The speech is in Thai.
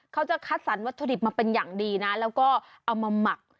เขาจะคัดสรรวัตถุดิบมาเป็นอย่างดีนะแล้วก็เอามาหมัก